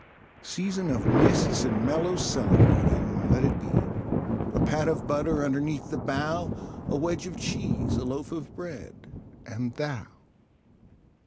Season of mists and mellow celery, then let it be. A pat of butter underneath the bough, a wedge of cheese, a loaf of bread and—Thou.